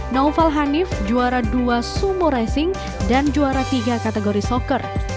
naufal hanif juara dua sumo racing dan juara tiga kategori soccer